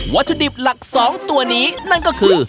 วัตถุดิบหลัก๒ตัวนี้นั่นก็คือ